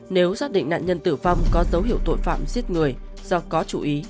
nếu xác định nạn nhân tử vong có dấu hiệu tội phạm giết người do có chú ý